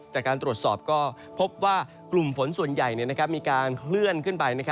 จากการตรวจสอบก็พบว่ากลุ่มฝนส่วนใหญ่มีการเคลื่อนขึ้นไป